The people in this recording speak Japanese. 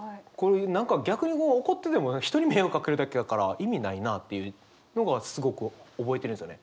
何か逆にこう怒ってても人に迷惑かけるだけやから意味ないなっていうのがすごく覚えてるんすよね。